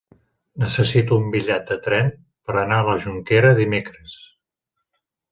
Necessito un bitllet de tren per anar a la Jonquera dimecres.